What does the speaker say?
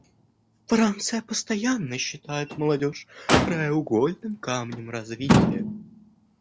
Франция постоянно считает молодежь краеугольным камнем развития.